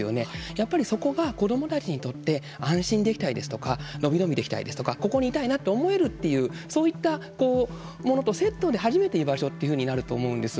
やっぱりそこが子どもたちにとって安心できたりですとか伸び伸びできたりとかここにいたいなと思えるというそういったものとセットで初めて居場所というふうになると思うんです。